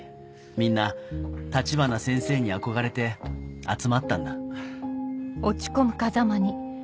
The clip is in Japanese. みんな立花先生に憧れて集まったんだ